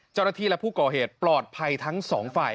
เจ้าหน้าที่และผู้ก่อเหตุปลอดภัยทั้งสองฝ่าย